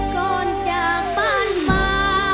ก่อนจากบ้านมา